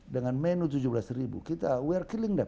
dengan menu tujuh belas ribu kita we're killing them